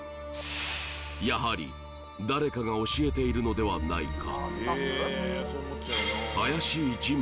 やはり誰かが教えているのではないか？